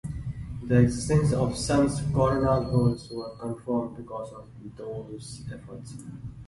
The existence of the Sun's coronal holes were confirmed because of these efforts.